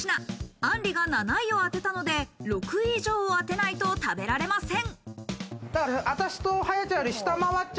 あんりが７位を当てたので、６位以上を当てないと食べられません。